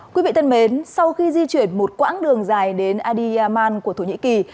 quý vị thân mến sau khi di chuyển một quãng đường dài đến adiyaman của thổ nhĩ kỳ